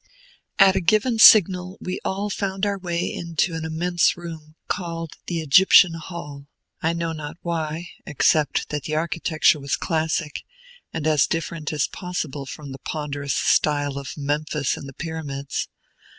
At a given signal we all found our way into an immense room, called the Egyptian Hall, I know not why, except that the architecture was classic, and as different as possible from the ponderous style of Memphis and the Pyramids.